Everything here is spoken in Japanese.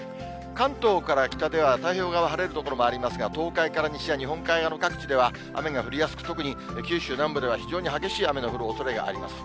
関東から北では太平洋側、晴れる所もありますが、東海から西や日本海側の各地では雨が降りやすく、特に九州南部では非常に激しい雨の降るおそれがあります。